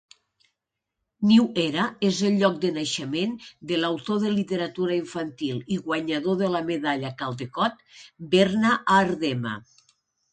New Era és el lloc de naixement de l'autor de literatura infantil i guanyador de la medalla Caldecott, Verna Aardema.